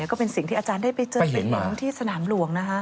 ก็เป็นสิ่งที่อาจารย์ได้ไปเจอไปเห็นที่สนามหลวง